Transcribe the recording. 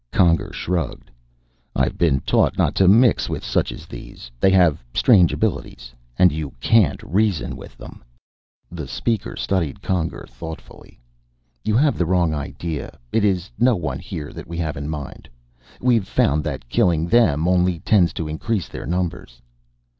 Conger shrugged. "I've been taught not to mix with such as these. They have strange abilities. And you can't reason with them." The Speaker studied Conger thoughtfully. "You have the wrong idea. It is no one here that we have in mind. We've found that killing them only tends to increase their numbers."